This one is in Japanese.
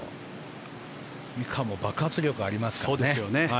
蝉川も爆発力がありますからね。